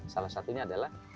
salah satunya adalah